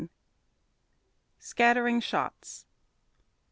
SCATTERING SHOTS.